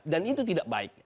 dan itu tidak baik